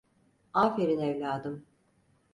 Aferin evladım…